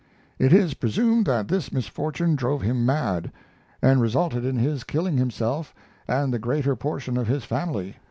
It is presumed that this misfortune drove him mad, and resulted in his killing himself and the greater portion of his family.